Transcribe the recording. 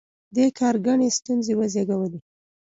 دې کار ګڼې ستونزې وزېږولې.